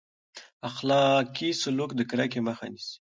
اخلاقي سلوک د کرکې مخه نیسي.